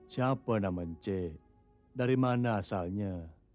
siapa namanya cik dari mana asalnya